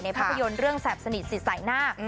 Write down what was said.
ภาพยนตร์เรื่องแสบสนิทสิทธิ์สายหน้า